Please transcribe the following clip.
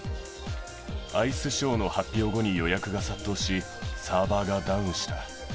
アイスショーの発表後に予約が殺到し、サーバーがダウンした。